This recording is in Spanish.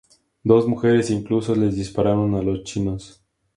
Dos mujeres incluso les dispararon a los chinos.